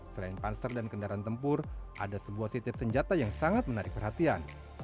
selain panser dan kendaraan tempur ada sebuah sitip senjata yang sangat menarik perhatian